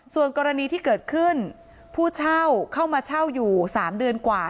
ส่วนกรณีที่เกิดขึ้นผู้เช่าเข้ามาเช่าอยู่๓เดือนกว่า